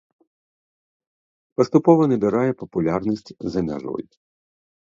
Паступова набірае папулярнасць за мяжой.